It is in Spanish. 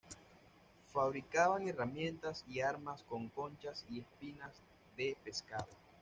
Fabricaban herramientas y armas con conchas y espinas de pescado.